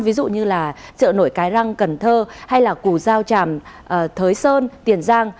ví dụ như là trợ nổi cái răng cần thơ hay là củ giao tràm thới sơn tiền giang